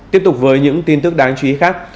tiếp tục với những tin tức đáng chú ý khác